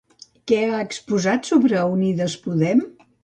Què han exposat sobre Unides Podem?